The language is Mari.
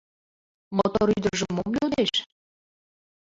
Мотор ӱдыржӧ мом йодеш?